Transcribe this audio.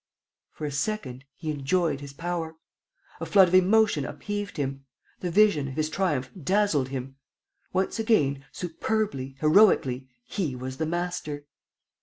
For a second, he enjoyed his power. A flood of emotion upheaved him. The vision, of his triumph dazzled him. Once again, superbly, heroically, he was the master.